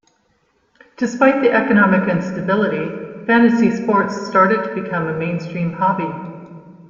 Despite the economic instability, fantasy sports started to become a mainstream hobby.